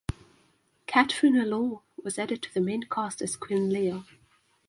Katrina Law was added to the main cast as Quinn Liu.